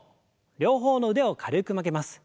両方の腕を軽く曲げます。